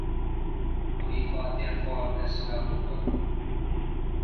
کوئی خاطر خواہ فیصلہ ہو گا۔